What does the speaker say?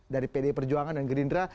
dari pdi perjuangan dan gerindra